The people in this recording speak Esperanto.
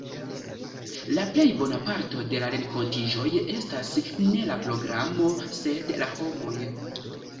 La plej bona parto de renkontiĝoj estas ne la programo, sed la homoj.